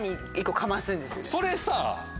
それさ。